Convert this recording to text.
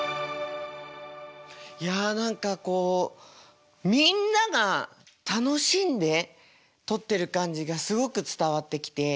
いや何かこうみんなが楽しんで撮ってる感じがすごく伝わってきて。